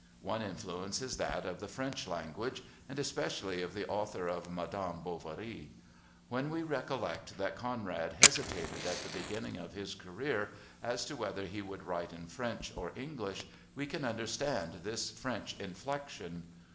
One influence is that of the French language and especially of the author of Madame Bovary. When we recollect that Conrad hesitated at the beginning of his career as to whether he would write in French or English, we can understand this French inflection.